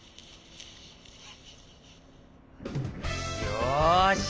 よし。